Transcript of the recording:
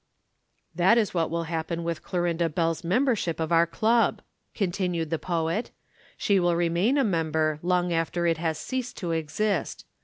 "That is what will happen with Clorinda Bell's membership of our club," continued the poet. "She will remain a member long after it has ceased to exist.